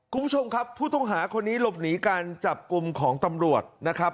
คุณผู้ชมครับผู้ต้องหาคนนี้หลบหนีการจับกลุ่มของตำรวจนะครับ